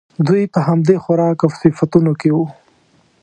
دوی په همدې خوراک او صفتونو کې وو.